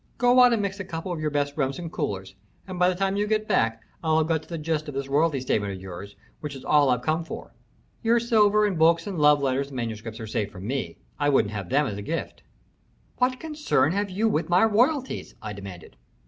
Go out and mix a couple of your best Remsen coolers, and by the time you get back I'll have got to the gist of this royalty statement of yours, which is all I've come for. Your silver and books and love letters and manuscripts are safe from me. I wouldn't have 'em as a gift." "What concern have you with my royalties?" I demanded.